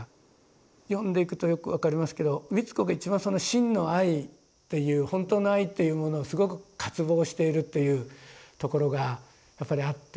読んでいくとよく分かりますけど美津子が一番その真の愛っていう本当の愛というものをすごく渇望しているっていうところがやっぱりあって。